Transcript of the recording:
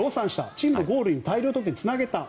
チームのゴール大量得点につなげた。